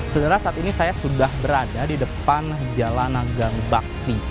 saudara saat ini saya sudah berada di depan jalan agang bakti